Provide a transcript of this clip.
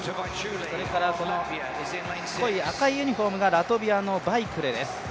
それからこの濃い赤いユニフォームがラトビアのバイクレです。